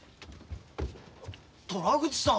虎口さん。